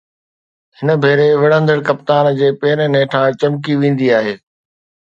هر ڀيري وڙهندڙ ڪپتان جي پيرن هيٺان چمڪي ويندي آهي.